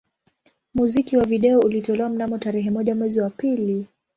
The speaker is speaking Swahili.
Muziki wa video ulitolewa mnamo tarehe moja mwezi wa pili